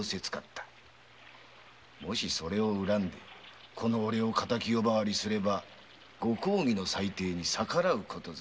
それを恨みオレを敵呼ばわりすれば御公儀の裁定に逆らう事ぞ。